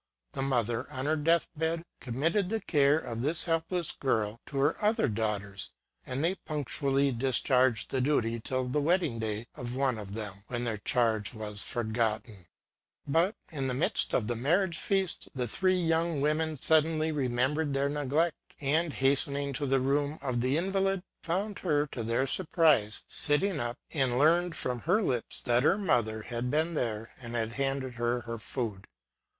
The mother, on her death bed, committed the care of this helpless girl to her other daughters, and they punctually discharged the duty till the wedding day of one of them, when their charge was forgotten ; THE PROTECTING SPIRIT. 79 but, in the midst of the marriage feast, the three young women suddenly remembered their neglect, and, hastening to the room of the invalid, they found her^ to their surprise, sitting up, and learned from her lips that her mother had been there and handed her her food.